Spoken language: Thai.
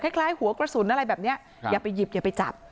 คล้ายหัวกระสุนอะไรแบบนี้อย่าไปหยิบอย่าไปจับ